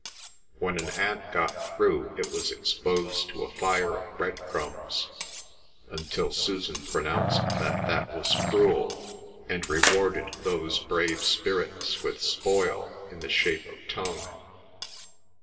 When an ant got through it was exposed to a fire of bread crumbs, until Susan pronounced that that was cruel, and rewarded those brave spirits with spoil in the shape of tongue.